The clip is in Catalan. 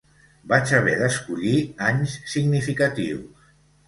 Vaig haver d’escollir anys significatius.